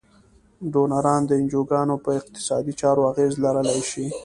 ډونران د انجوګانو په اقتصادي چارو اغیز لرلای شي.